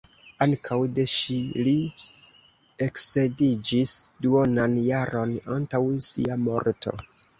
Ankaŭ de ŝi li eksedziĝis duonan jaron antaŭ sia morto.